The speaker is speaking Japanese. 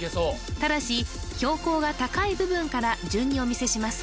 ただし標高が高い部分から順にお見せします